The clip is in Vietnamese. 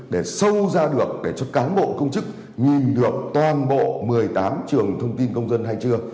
để sâu ra được để cho cán bộ công chức nhìn được toàn bộ một mươi tám trường thông tin công dân hay chưa